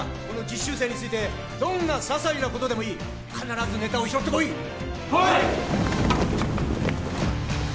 この実習生についてどんなささいなことでもいい必ずネタを拾ってこい！